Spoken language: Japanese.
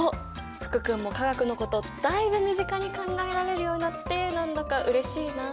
福君も化学のことだいぶ身近に考えられるようになって何だかうれしいなあ。